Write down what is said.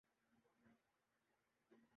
مو لانا مودودی کے خلاف اٹھائی گی۔